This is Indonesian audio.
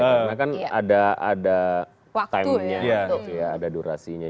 karena kan ada waktunya ada durasinya